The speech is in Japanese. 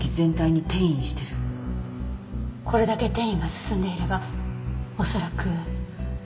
これだけ転移が進んでいれば恐らく。